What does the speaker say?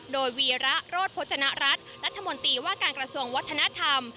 โดยวีระโรธพจนรัฐรัฐรัฐมนตรีว่าการกระทรวงวัฒนธรรม